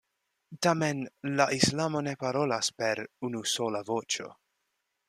Tamen la islamo ne parolas per unusola voĉo.